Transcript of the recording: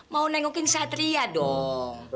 mau nengokin satria dong